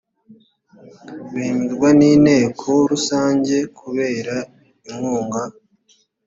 bemerwa n inteko rusange kubera inkunga